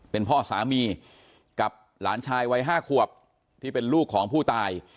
เป็นพ่อสามีกับหลานชายวัย๕ขวบที่เป็นลูกของผู้ตาย